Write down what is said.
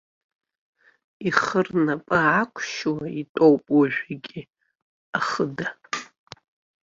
Ихы рнапы аақәшьуа итәоуп уажәгьы ахыда.